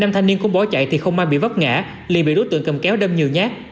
năm thanh niên cũng bỏ chạy thì không may bị vấp ngã liền bị đối tượng cầm kéo đâm nhiều nhát